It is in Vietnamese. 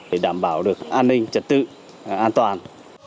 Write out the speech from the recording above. để đảm bảo được an ninh trật tự an toàn